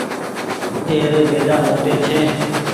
اي ري بيدآ موٽي ڇي۔